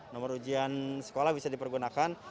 nomor ujian sekolah bisa dipergunakan